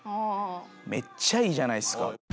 めっちゃいいじゃないですか。